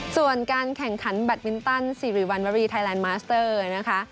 ส่วนการแข่งขันแบตมินตันสิริวัณวรีไทยแลนดมาสเตอร์นะคะ